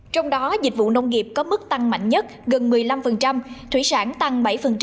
trong đó dịch vụ nông nghiệp có mức tăng mạnh nhất gần một mươi năm thủy sản tăng bảy